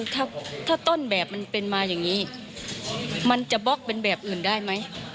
ถ้าต้นแบบมันเป็นมาอย่างนี้มันจะบล็อกเป็นแบบอื่นได้ไหม